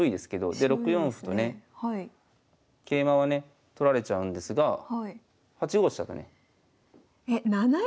で６四歩とね桂馬はね取られちゃうんですが８五飛車とね。